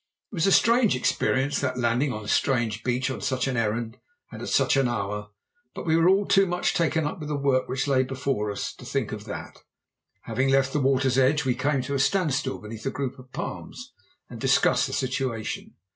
It was a strange experience that landing on a strange beach on such an errand and at such an hour, but we were all too much taken up with the work which lay before us to think of that. Having left the water's edge we came to a standstill beneath a group of palms and discussed the situation.